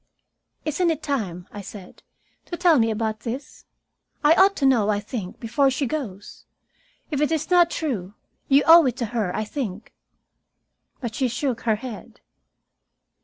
"Isn't it time," I said, "to tell me about this? I ought to know, I think, before she goes. If it is not true, you owe it to her, I think." But she shook her head.